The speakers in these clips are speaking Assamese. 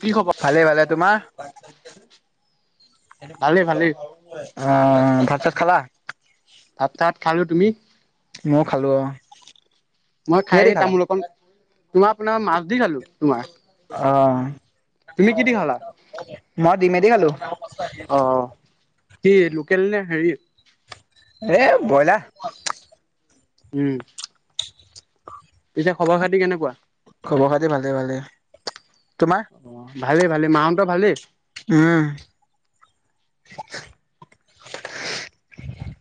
কি খবৰ? ভালে ভালেই। তোমাৰ? ভালেই ভালেই অ' ভাত চাত খালা? ভাত তাত খালো। তুমি? মই খালোঁ অ'। মই কিহেদি খাই খালা? তামোল অকণ, তোমাৰ, আপোনাৰ মাছ দি খালো তোমাৰ। তুমি কি দি খালা? [inaudible] মই ডিম এদি খালো। অ কি লোকেল নে হেৰি? এই ব্ৰইলাৰ। উম। অ'। পিছে খবৰ খাতি কেনেকুৱা? খবৰ খাতি ভালে, ভালে। তোমাৰ? অ' ভালেই ভালেই, মাহৰ ভালেই? উম।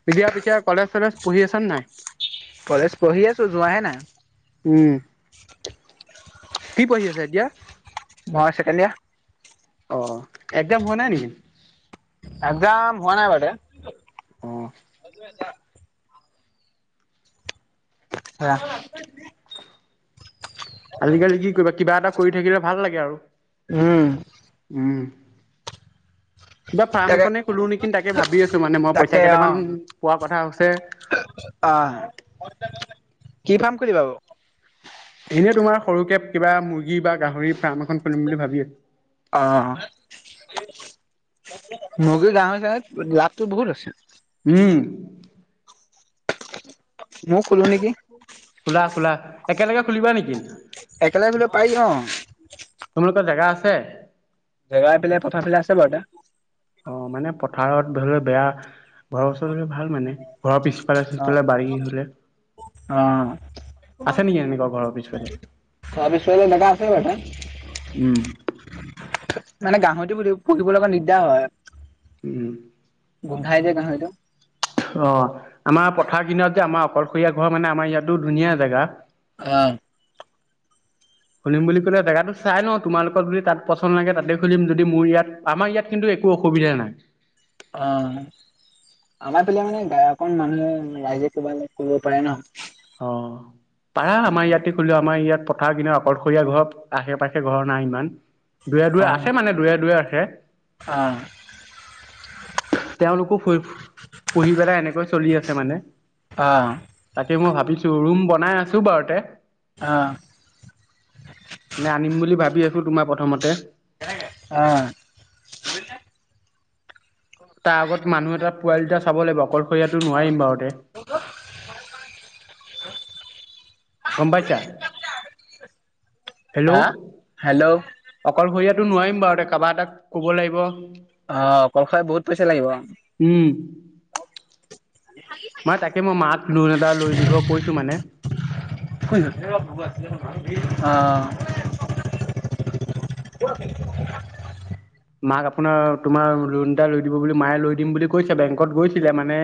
পিছে পিছে, কলেজ চলেজ পঢ়ি আছ নে নাই? কলেজ পঢ়ি আছো, যোৱাহে নাই। উম, কি পঢ়ি আছো এতিয়া? মই, ছেকেণ্ড ইয়াৰ। অ [inaudible] একজাম হোৱা নাই নেকি? একজাম হোৱা নাই। অ'। [unintelligible] আহ আজিকালি কি কৰিবা, কিবা এটা কৰি থাকিলে ভাল লাগে আৰু। উম। উম। কিবা ফ্ৰাৰ্ম তাকে এখনে খোলো নেকি, তাকে ভাবি আছোঁ মানে মই তাকে পইচা কেইটামান অ' পোৱা কথা হৈছে। অ' কি কাম কৰিবা বাৰু। এনে তোমাৰ সৰুকে কিবা মুৰ্গী বা গাহৰি ফাৰ্ম কৰিম বুলি ভাবি আছো। মূৰ্গী গাঁৱে গাঁৱে লাভটো বহুত আছে। উম। মই খোলো নেকি। খোলা খোলা একেলগে খুলিবা নেকি? একেলগে খুলিব পাৰি ন। ছ [unintelligible] জেগাই পেলাই পথাৰ পেলাই আছে ব এটা। অ মানে পথাৰত ধৰি লও বেয়া ঘৰৰ ওচৰ হলে ভাল মানে। ঘৰৰ পিছফালে অ' চিছফালে বাৰি হলে অ' আছে নেকি এনেকুৱা ঘৰৰ পিছফালে? খোৱা বিচৰা জেগা আছে বাৰু এটা। উম। মানে গাহৰিটো পুহিবলৈ অকণ দিগদাৰ হয়। উম। খাই জে গাহৰি টো। অ আমাৰ পথাৰ কিনাৰত যে আমাৰ অকলশৰীয়া ঘৰ মানে আমাৰ ইয়াতো ধুনীয়া জেগা। আহ, খুলিম বুলি ক'লে জেগাটো চাই লয় তোমালোকৰ তাত যদি পছন্দ নাইকীয়া তাতে খুলিব যদি মোৰ ই‌য়াত আমাৰ ইয়াত কিন্তু একো অসুবিধা নাই। অ আমাৰ পিনে মানে অকমন মানুহে ৰাইজে কিবা কব পাৰে ন। অ পাৰা সেইটো আমাৰ কাৰণে। ইয়াতে খলো আমাৰ ইয়াত। কথা কিন্তু আকলশৰীয়া ঘৰ আশে পাশে ঘৰ নাই ইমান। দুৰে দূৰে আছে অ', মানে। হে অ', তেওঁলোকো পুহি পেলাই এনেকৈ চলি আছে মানে। অ', সেই মই ভাবিছো ৰুম বনাই আছো বাৰু তে অ', নে আনিম বুলি। ভাবি আছো তোমাৰ প্ৰথমতে অহ। তাৰ আগত মানুহ এটা পোৱালি দুটা চাব লাগিব। এয়াটো নোৱাৰিম বাৰু দে। [unintelligible] গম পাইছা। হেল্ল' হা? হেল্ল' অকলশৰীয়া এইটো নোৱাৰিম বাৰু এ কব এটাক ক'ব লাগিব। আহ অকল খাই বহুত পইচা লাগিব। উম। মই তাকে মাক লোণ এটা লৈ দিব কৈছোঁ মানে অহ, [unintelligible] মাক আপোনাৰ তোমাৰ লোন এটা লৈ দিব বুলি মায়ে লৈ দিম বুলি কৈছে বেংকত গৈছিলে মানে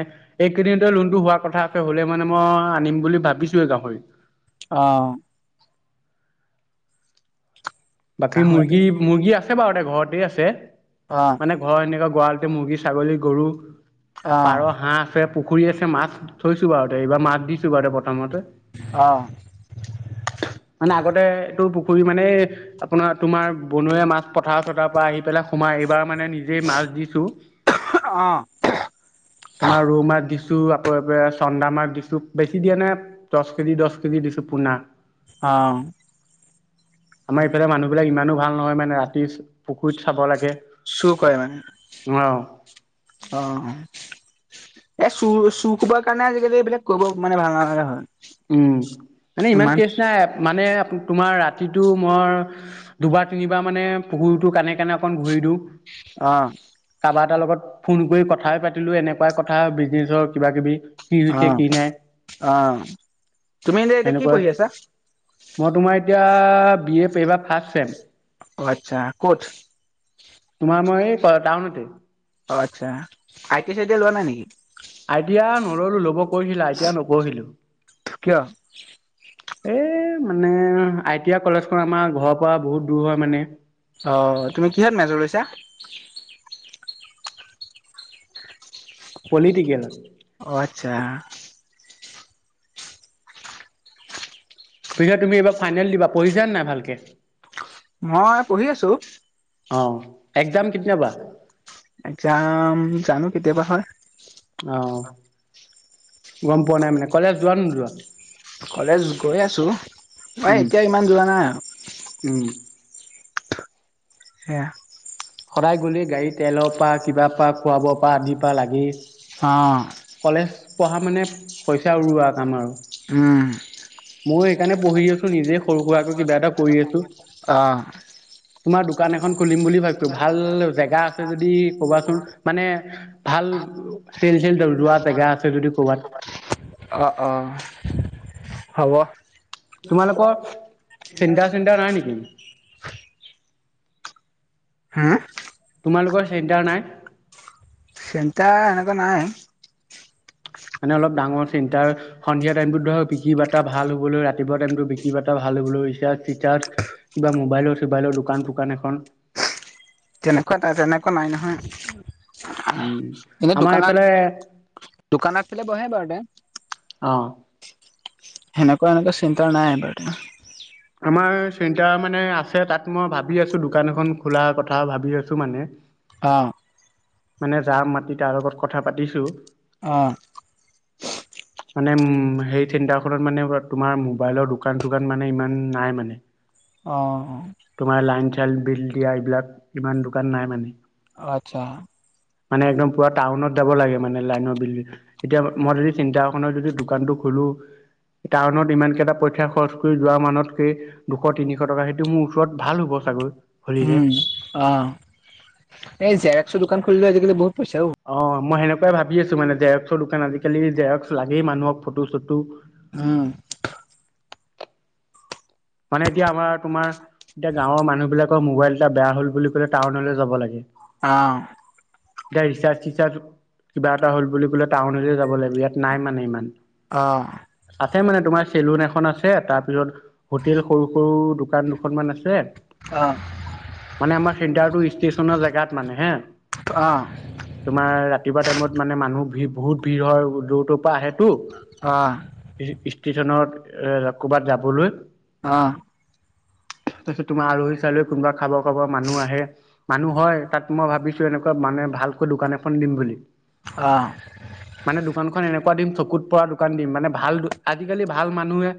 এইকেইদিনতে লোনটো হোৱাৰ কথা আছে হ'লে মানে মই আনিম বুলি ভাবিছোৱে গাহৰি। অ'। বাকী গাহৰিটো মুৰ্গী, মুৰ্গী আছে। আছে বাৰু এ! ঘৰতে আছে। অ', মানে ঘৰৰ এনেকুৱা গৰালতে মুৰ্গী, ছাগলী, গৰু। অ', পাৰ, হাঁহ আছে। পুখুৰী আছে মাছ থৈছোঁ বাৰুতে এইবাৰ মাছ দিছোঁ বাৰু প্ৰথমতে। অ', অ', মানে আগতে এইটো- কৰি মানে। আপোনাৰ তোমাৰ বনৰীয়া মাছ পথাৰ চথাৰ পৰা আহি পেলাই সোমাই। এইবাৰ এইবাৰ মানে নিজেই মাছ দিছো। তোমাৰ ৰৌ মাছ দিছো। দিছো আকৌ এইফালে চন্দা মাছ দিছো বেছি দিয়ে নাই। দহ কেজি, দহ কেজি দিছো পোনা। অ'। আমাৰ। তাৰে মানুহবিলাক ইমানো ভাল নহয়। মানে ৰাতি পুখুৰীত চাব লাগে। চোৰ কৰে মানে। অ'। অ' এ! চুৰ- চুৰ কবৰ কাৰণে আজিকালি এইবিলাক কৰিব মানে ভাল নলগা হয়। উ'ম মানে ইমান কেচ নাই মানে। তোমাৰ ৰাতিটো মই দুবাৰ, তিনিবাৰ মানে পুখুৰীতটো কানে কানে অকন ঘূৰি দিওঁ। অ'হ। কাৰবা এটাৰ লগত ফোন কৰি কথাই পাতিলো। এনেকুৱাই কথা বিজনেচৰ কিবা কিবি। কি হৈছে অ', কি নাই? অ'। তুমি এতিয়া এতিয়া কি সেনেকুৱা পঢ়ি আছা? মই তোমাৰ এতিয়া বি, এ এইবাৰ ফাৰ্ষ চেম। অ' আচ্ছা ক'ত? তোমাৰ মই এই টাউনতে। অ' আচ্ছা আইটি, চাইটি লোৱা নাই নেকি? আইডিয়া নললো ল'ব। কৰিছিলা আইটি আই নপঢ়িলো। কিয়? এ! মানে আই, টি, আই কলেজখন আমাৰ ঘৰৰ পৰা বহুত দূৰ হয় মানে। অ'হ তুমি কিহত মেজৰ লৈছা? পলিটিকেল। অ' আচ্ছা। পিছে তুমি এইবাৰ ফাইনেল দিবা। পঢ়িছা নে নাই ভালকে। মই পঢ়ি আছো। অ' একজাম কেতিয়া পৰা। একজাম জানো কেতিয়াবা হয়। অ' গ'ম পোৱা নাই মানে, কলেজ যোৱা নে নোযোৱা? কলেজ গৈ আছো। মই উম, এতিয়া ইমান যোৱা নাই উম। আৰু। সেয়া। সদায় গ'লে গাড়ী তেলৰ পা কিবা পা খুৱা বোৱা পা আদিৰ পা লাগেই। কলেজ অ' পঢ়া মানে পইচা উৰুৱা কাম আৰু। উম মই সেইকাৰণে পঢ়ি আছো, নিজেই সৰু সুৰাকৈ কিবা এটা কৰি আছো। অ' তোমাৰ দোকান এখন খুলিম বুলি ভাবিছো, ভাল জেগা আছে যদি ক'বাচোন, মানে ভাল চেল চেল যোৱা জেগা আছে যদি ক'বাত। অঁ অঁ হ'ব। তোমালোকৰ চেণ্টাৰ চেণ্টাৰ নাই নেকি? হা তোমালোকৰ চেণ্টাৰ নাই। চেণ্টাৰ এনেকুৱা নাই। মানে অলপ ডাঙৰ চেণ্টৰ সন্ধিয়া টাইমটোত ধৰক বিকি বটা ভাল হবলৈ ৰাতিপুৱা টাইমতটো বিকি বাটা ভাল হবলৈ ৰিছাৰ্জ চিছাৰ্জ কিবা মোবাইলৰ চবাইলৰ দোকান চোকান এখন তেনেকুৱা তেনেকুৱা নাই নহয়। উম এনে আমাৰ এইফালে দোকানত, দোকানত ফেলে বহে বাৰু দে অঁহ। সেনেকুৱা, এনেকুৱা চেণ্টাৰ নাই বাৰু দে। আমাৰ চেণ্টাৰ মানে আছে। তাত মই ভাবি আছো দোকান এখন খোলাৰ কথা ভাবি আছো মানে অহ। মানে যাৰ মাতি তাৰ লগত কথা পাতিছো। অঁহ। মানে উম, সেই চেণ্টাৰখনত মানে তোমাৰ মোবাইলৰ দোকান চোকান মানে ইমান নাই মানে অহ। খেল, বিল দিয়া এইবিলাক ইমান দোকান নাই মানে। আচ্ছা। মানে একদম পুৰা টাউনত যাব লাগে মানে লাইনৰ বিল্ডিং। এতিয়া মই যদি চেণ্টাৰ এখনত যদি দোকানতটো খোলো। টাউনত ইমান কেইটা পইচা খৰচ কৰি যোৱা মানত দুশ, তিনিশ টকা সেইটো মোৰ ওচৰত ভাল হ'ব চাগৈ খুলিলে উম, অহ, এই জেৰক্সৰ দোকান খলীলে আজিকালিহ বহুত পইচা অ'। অহ, মই সেনেকুৱাই ভাবি ভাবি আছো মানে জেৰক্সৰ দোকান আজিকালি জেৰক্স লাগেই মানুহক ফটো চটো উম, মানে এতিয়া আমাৰ, তোমাৰ এতিয়া গাঁৱৰ মানুহ বিলাকৰ মোবাইল এটা বেয়া হল বুলি কলে টাউনলৈ যাব লাগে অহ'। এতিয়া ৰিচাৰ্জ, চিচাৰ্জ কিবা এটা হল বুলি কলে টাউনলৈ যাব লাগিব। ইয়াত নাই মানে ইমান। অহ আছে মানে তোমাৰ চেলুন এখন আছে তাৰপিছত হোটেল সৰু সৰু দোকান দুখন মান আছে। অহ চিটাৰ গুৰি ষ্টেচনৰ জেগাত মানে হে অ', তোমাৰ ৰাতিপুৱা টাইমত মানে মানুহ ভিৰ বহুত ভিৰ হয় দূৰটোৰ পৰা আহে টো অ', ই [unintelligible] ষ্টেচনত এ ক'বাত যাবলৈ অ। তাৰপিছত তোমাৰ আলহী চালহী কোনোবা খাব খাব মানুহ আহে মানুহ হয় তাত মই ভাবিছো এনেকুৱা মানে ভালকৈ দোকান এখন দিম বুলি। অ', মানে দোকানখন এনেকুৱা দিম চকুত পৰা দোকান দিম মানে ভাল আজি কালি ভাল মানুহে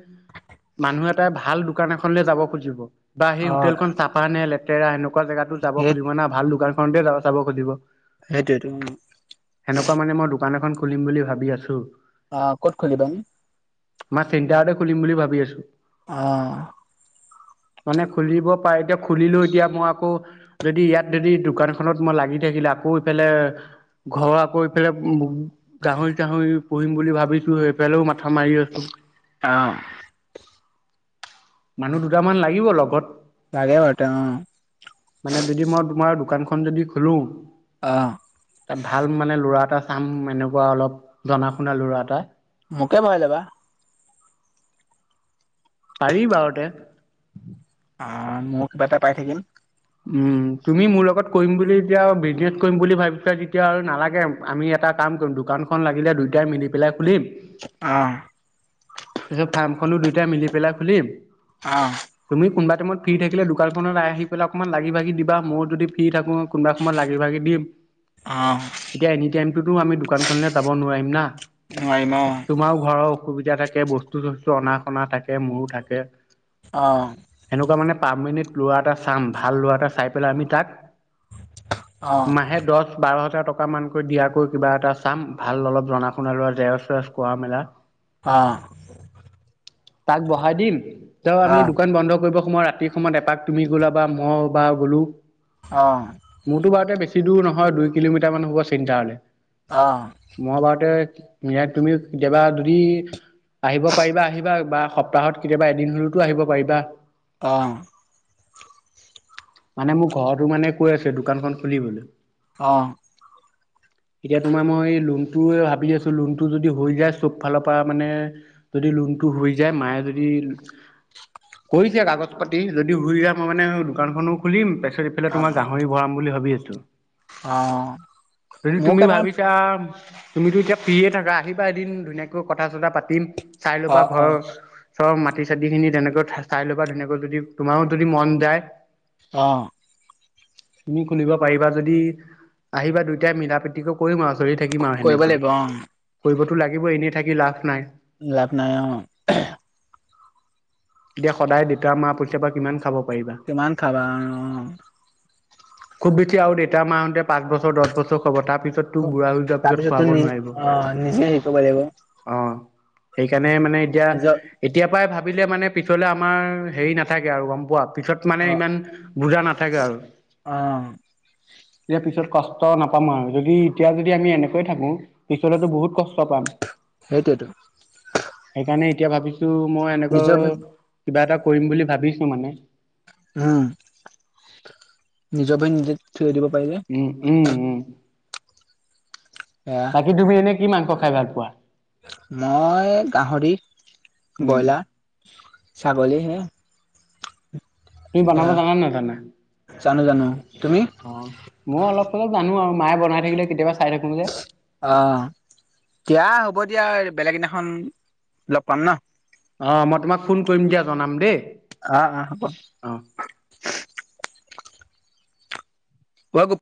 মানুহ এটাই ভাল দোকান এখনলৈ যাব খুজিব। বা সেই অ', হোটেলখন চাফা নে লেত তেটৰা হেনো খোৱা জেগাতো চাব সেই খুজিব না ভাল দোকান খনতে যাবা চাব খোজিব। সেইটোয়ে টো উম। মানে মই দোকান এখন খুলিম বুলি ভাবি আছো। অ ক'ত খুলিবা? মই চেণ্টাৰতে খুলিম বুলি ভাবি আছো। অহ। মানে খুলিব পাৰে এতিয়া খুলিলো এতিয়া মই আকৌ যদি ইয়াত যদি দোকানখনত মই লাগি থাকিলে আকৌ ইফালে ঘৰ আকৌ ইফালে গাহৰি চাহৰি পুহিম বুলি ভাবিছো সেইফালেও মা থা মাৰি আছো। অ', মানুহ দুটামান লাগিব লগত। লাগে বাৰু [unintelligible] মানে যদি মই তোমাৰ দোকানখন যদি খুলো অ', তাত ভাল মানে ল'ৰা এটা কাম এনেকুৱা অলপ জনা শুনা লৰা এটা মোকে ভৰায় লবা। পাৰিম বাৰুতে অ মইয়ো কিবা এটা পাই থাকিম। উম তুমি মোৰ লগত কৰিম বুলি এতিয়া বিজনেছ কৰিম বুলি ভাবিছা যেতিয়া আৰু নালাগে আমি এটা কাম কৰিম দোকানখন লাগিলে দুয়টাই মিলি পেলাই খুলিম। অহ। পিছত ফাৰ্মখনো দুইটা মিলি পেলাই খুলিম। অ। তুমি কোনোবা টাইমত ফ্ৰী থাকিলে দোকানখনত আহি পেলাই অকমান লাগি ভাগি দিবা মইয়ো যদি ফ্ৰী থাকো কোনোবা সময়ত লাগি ভাগি দিম। অহ। তো আমি দোকান খনেলে যাব নোৱাৰিম না। [unintelligible] সুবিধা থাকে বস্তু চস্তু অনা শুনা থাকে মোৰো থাকে। অ'। সেনেকুৱা মানে পাঁচ মিনিট লোৱা এটা চাম। ভাল ল'ৰা এটা চাই পেলাই আমি তাক অ', মাহে দহ বাৰ এটা টকা মানকৈ দিয়াকৈ কিবা এটা চাম ভাল অলপ জনা শুনা লোৱা জেৰক্স চেৰক্স কৰা মেলা। অ', তাক বহাই দিম, তেওঁ আমি অ', দোকান বন্ধ কৰিব সময় ৰাতি সময়ত এপাক তুমি গ'লা বা মই বা বোলো অ', মোৰতো বাৰুতে বেছ চি দূ নহয় দুই কিলোমিটাৰ মান হ'ব চিন্তাৰলৈ। অ', মহভাৰতে তুমি কেতিয়াবা যদি আহিব পাৰিবা আহিবা বা সপ্তাহত কেতিয়াবা এদিন হ'লেওতো আহিব পাৰিবা। অ'। মানে মোৰ ঘৰতো মানে কৈ আছে দোকানখন খুলিবলৈ। অ', এতিয়া তোমাৰ মই লোন ভাবি আছো লোনটো যদি হৈ যায় চব ফালৰ পৰা মানে যদি লোনটো হৈ যায় মায়ে যদি কৰিছে কাগজ পাতি যদি শুই যায় মই মানে দোকান খনো খুলিম ৰিফাল তোম অ', গাহৰি ভৰাম বুলি ভাবি আছে। অ', [inaudible] যদি মোৰো তুমি কেইটামান ভাবিছা তুমিতো এতিয়া ফ্ৰিয়ে থাকা আহিবা এদিন ধুনীয়াকৈ কথা চথা পাতিম। চাই ল'বা অ', ঘৰৰ অ', মাটি চতি খিনি তেনেকৈ চাই ল'বা ধুনেকৈ যদি তোমাৰো যদি মন যায় অ'। তুমি শুনিব পাৰিবা যদি আহিবা দুইটাই মিলা প্ৰীতিকো কৰিম আৰু। চলি থাকিম আৰু কৰিব সেনেকৈ লাগিব অ' কৰিব টো টো লাগিব এনেই থাকি লাভ নাই। লাভ নাই অ'। এতিয়া সদায় দেতা মাৰ পঠয় পৰা কিমান খাব। পাৰিবা কিমান খাবা অ'। খুব বেছি আৰু দেতা মাহঁতে পাঁচ বছৰ দহ বছৰ খবৰ তাত তাৰপিছত ত অ', নিজে শিব প লিব সেইকাণ মান মানে এতিয়া এতিয়া পৰাই ভাল ভাবিলে মানে পিছলে আমাৰ হেৰি নাথাকে আৰু গম পোৱা পিছ মানে অ' ইমান বুজা নাথাকে আৰু। অ' এতিয়া পিছত কষ্ট নাপামো আৰু যদি এতিয়া যদি আমি এনেকৈ থাকো পিছলেতো বহুত কষ্ট পাম। সেইটো, সেইকাৰণে এতিয়া ভাবিছো, মই নিজৰ এনেকুৱা ভৰিত কিবা এটা কৰিম বুলি ভাবিছো মানে। উম নিজৰক নিজে থিয় দিব পাৰিলে উম-উম-উম, সেয়া বাকী তুমি এনে কি মাংস খাই ভাল পোৱা? মই গাহৰি, উম বইলাৰ বলি হে তুমি বনাব সেয়া জানা নহয় তানে জানো জানো তুমি অ মই অলপ চলপ জানো আৰু মায়ে বনাই থাকিলে কেতিবা চাই থাকো যে। অ' দিয়া হ'ব দিয়া বেলেগ দিনাখন লগ পাম ন। অ' মই তোমাক ফোন কৰিম দিয়া জনাম দেই। অ-অ হব। অ বাগ [unintelligible]